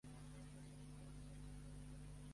L'òrgan rector és la Federació Turca de Futbol.